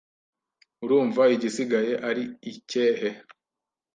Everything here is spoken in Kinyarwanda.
Urumva igisigaye ari ikehe